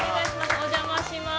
お邪魔します